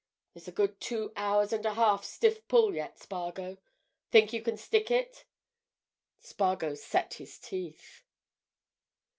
There's a good two hours and a half stiff pull yet, Spargo. Think you can stick it?" Spargo set his teeth.